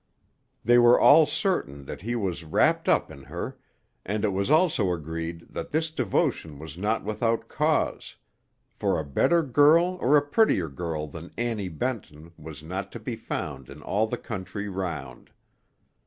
They were all certain that he was "wrapped up" in her, and it was also agreed that this devotion was not without cause; for a better girl or a prettier girl than Annie Benton was not to be found in all the country round.